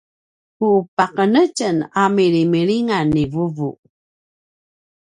ku paqenetjen a milimilingan ni vuvu